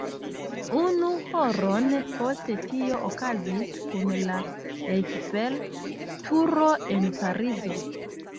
Unu horon poste tio okazis kun la Eiffel-Turo en Parizo.